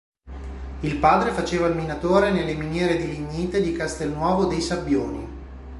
Il padre faceva il minatore nelle miniere di lignite di Castelnuovo dei Sabbioni.